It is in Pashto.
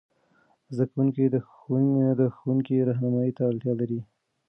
زده کوونکي د ښوونکې رهنمايي ته اړتیا لري.